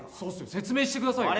説明してください。